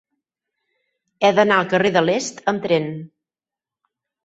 He d'anar al carrer de l'Est amb tren.